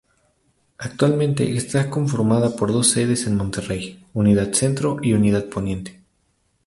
Actualmente está conformada por dos sedes en Monterrey: "Unidad Centro" y "Unidad Poniente"..